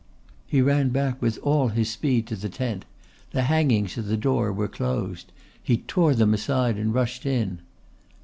He ran back with all his speed to the tent. The hangings at the door were closed. He tore them aside and rushed in.